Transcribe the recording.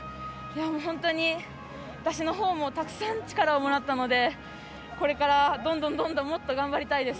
本当に私のほうもたくさん力をもらったのでこれから、どんどんどんどんもっと頑張りたいです。